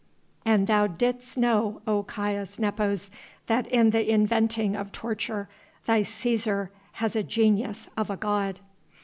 And thou didst know, O Caius Nepos, that in the inventing of torture thy Cæsar has the genius of a god."